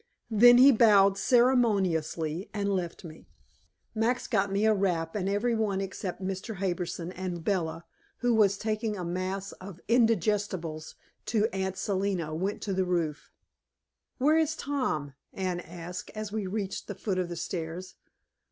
Then he bowed ceremoniously and left me. Max got me a wrap, and every one except Mr. Harbison and Bella, who was taking a mass of indigestables to Aunt Selina, went to the roof. "Where is Tom?" Anne asked, as we reached the foot of the stairs.